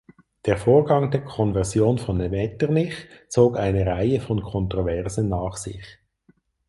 Der Vorgang der Konversion von Metternich zog eine Reihe von Kontroversen nach sich.